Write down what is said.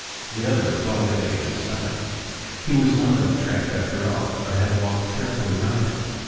The other was already in his stomach. He was not in the trap at all, but had walked carefully round it.